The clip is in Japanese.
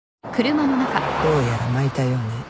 ・どうやらまいたようね。